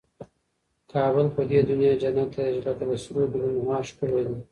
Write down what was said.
کابل په دي دونیا جنت یادېږي لکه د سرو ګلنو هار ښکلی دی